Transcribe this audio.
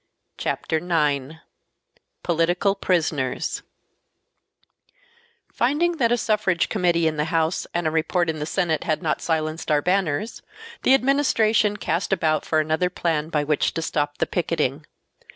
Chapter 9 Political Prisoners Finding that a Suffrage Committee in the House and a report in the Senate had not silenced our banners, the Administration cast about for another plan by which to stop the picketing.